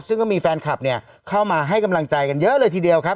ซึ่งก็มีแฟนคลับเนี่ยเข้ามาให้กำลังใจกันเยอะเลยทีเดียวครับ